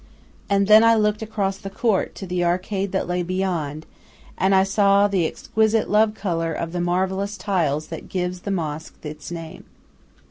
And then I looked across the court to the arcade that lay beyond, and I saw the exquisite "love color" of the marvellous tiles that gives this mosque its name.